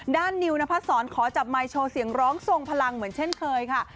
นิวนพัดศรขอจับไมค์โชว์เสียงร้องทรงพลังเหมือนเช่นเคยค่ะ